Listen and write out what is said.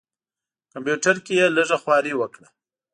کمپیوټر کې یې لږه خواري وکړه.